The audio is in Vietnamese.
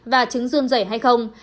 và chứng dung dẩy hay không